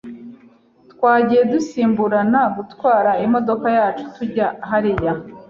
Twagiye dusimburana gutwara imodoka yacu tujya hariya.